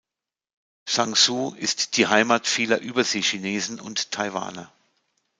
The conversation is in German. Zhangzhou ist die Heimat vieler Überseechinesen und Taiwaner.